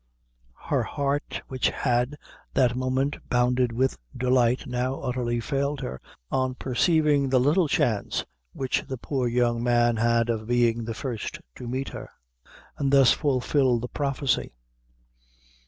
Her heart, which had that moment bounded with delight, now utterly failed her, on perceiving the little chance which the poor young man had of being the first to meet her, and thus fulfill the prophecy.